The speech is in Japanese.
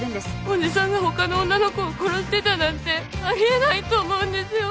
おじさんが他の女の子を殺してたなんてありえないと思うんですよ。